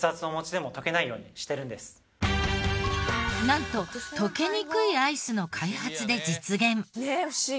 なんと溶けにくいアイスの開発で実現。